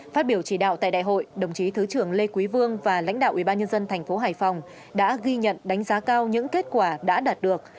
phát biểu chỉ đạo tại đại hội đồng chí thứ trưởng lê quý vương và lãnh đạo ubnd tp hải phòng đã ghi nhận đánh giá cao những kết quả đã đạt được